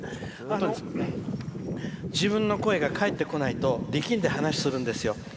自分の声が返ってこないと力んで話をするんです。